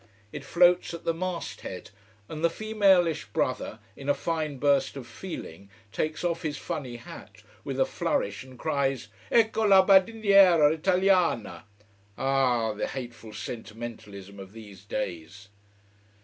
It floats at the mast head, and the femalish brother, in a fine burst of feeling, takes off his funny hat with a flourish and cries: "Ecco la bandiera italiana!" Ach, the hateful sentimentalism of these days.